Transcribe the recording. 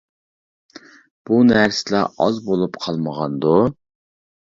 بۇ نەرسىلەر ئاز بولۇپ قالمىغاندۇ؟ !